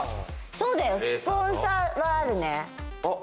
そうだよ、スポンサーはあるね。